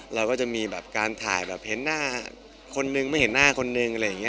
เราก็จะมีการถ่ายเห็นหน้าคนหนึ่งไม่เห็นหน้าคนหนึ่ง